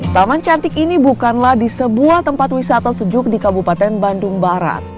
taman cantik ini bukanlah di sebuah tempat wisata sejuk di kabupaten bandung barat